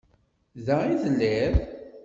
Da i telliḍ?